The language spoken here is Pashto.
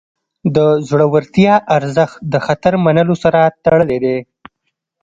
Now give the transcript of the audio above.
د زړورتیا ارزښت د خطر منلو سره تړلی دی.